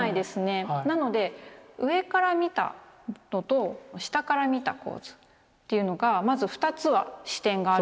なので上から見たのと下から見た構図というのがまず２つは視点があるんですが。